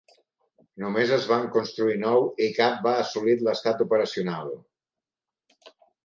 Només es van construir nou i cap va assolit l'estat operacional.